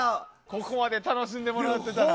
ここまで楽しんでもらってたら。